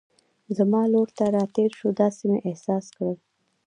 زما لور ته را تېر شو، داسې مې احساس کړل.